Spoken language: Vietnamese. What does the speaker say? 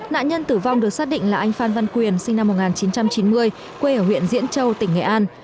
nạn nhân tử vong được xác định là anh phan văn quyền sinh năm một nghìn chín trăm chín mươi quê ở huyện diễn châu tỉnh nghệ an